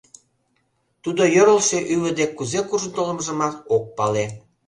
Тудо йӧрлшӧ ӱвӧ дек кузе куржын толмыжымат ок пале.